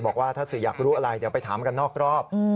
บอกว่าถ้าสื่ออยากรู้อะไรเดี๋ยวไปถามกันนอกรอบ